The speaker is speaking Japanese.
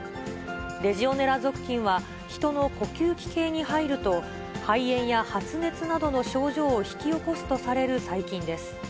レジオネラ属菌は人の呼吸器系に入ると、肺炎や発熱などの症状を引き起こすとされる細菌です。